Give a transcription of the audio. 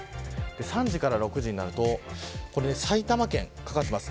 ３時から６時になると埼玉県にかかってきます。